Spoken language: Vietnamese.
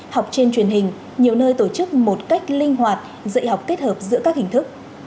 học trên truyền hình nhiều nơi tổ chức một cách linh hoạt dạy học kết hợp giữa các hình thức